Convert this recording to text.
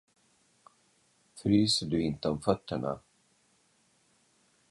Fryser du inte om fötterna?